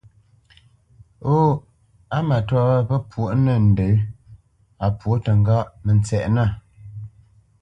Hô, á matwâ wâ pə́ pwôʼ nə̂ ndə̌, a pwô təŋgáʼ, mə tsɛʼnə̂!